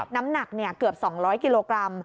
น้ำหนักเกือบ๒๐๐กิโลกรัม